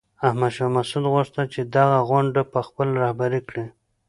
احمد شاه مسعود غوښتل چې دغه غونډه په خپله رهبري کړي.